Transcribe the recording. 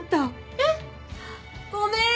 えっ！？ごめーん！